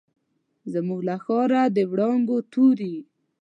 زموږ له ښاره، د وړانګو توري